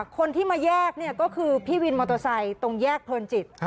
คนที่มาแยกเนี่ยก็คือพี่วินมอเตอร์ไซค์ตรงแยกเพลินจิต